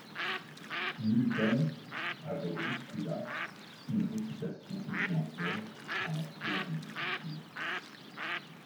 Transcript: Muldoon avait jusque-là une réputation exemplaire en matière de discipline.